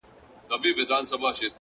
دا خواست د مړه وجود دی; داسي اسباب راکه;